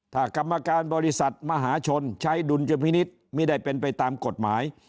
ถ้ากรรมการบริษัทมหาชนใช้ดุลยพินิษฐ์ไม่ได้เป็นไปตามกฎหมาย